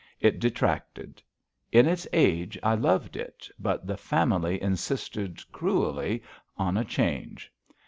It detracted. In its age, I loved it, but the Family insisted cruelly on a change.